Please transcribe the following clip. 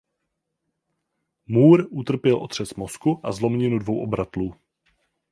Moore utrpěl otřes mozku a zlomeninu dvou obratlů.